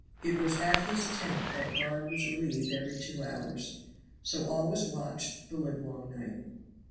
It was at his tent that guard was relieved every two hours. So all was watched the livelong night.